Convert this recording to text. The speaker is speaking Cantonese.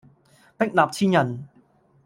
壁立千仞